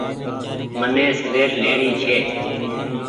مني سيليٽ ڇي۔